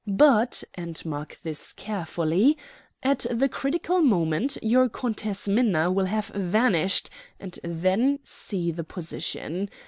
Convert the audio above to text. But and mark this carefully at the critical moment your Countess Minna will have vanished, and then see the position.